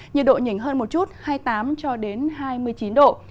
nhiệt độ nhỉnh hơn một chút hai mươi tám hai mươi chín độ